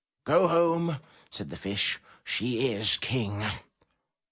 "Go home!" said the fish. ''She is King."